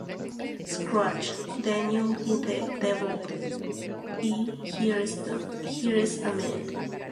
Scratch, Daniel and The Devil y Here Is a Man".